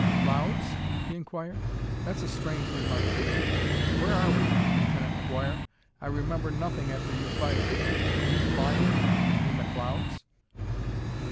"Clouds?" he inquired. "That's a strange remark to make. Where are we, Lieutenant McGuire? I remember nothing after you fired. Are we flying in the clouds?"